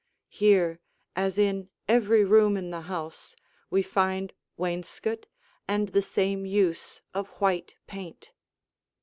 Here, as in every room in the house, we find wainscot and the same use of white paint.